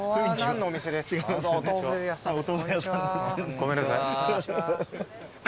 ごめんなさい。